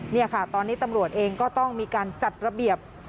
นี่ค่ะตอนนี้ตำรวจเองก็ต้องมีการจัดระเบียบ